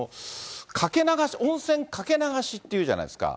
かけ流し、温泉かけ流しっていうじゃないですか。